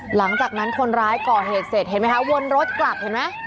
หลังจากนั้นคนร้ายก่อเหตุเสร็จเห็นไหมคะวนรถกลับเห็นไหม